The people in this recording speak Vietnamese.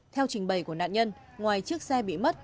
theo trình bày của nạn nhân ngoài chiếc xe bị mất